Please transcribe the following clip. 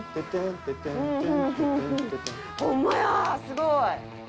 すごい。